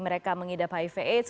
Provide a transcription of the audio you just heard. mereka mengidap hiph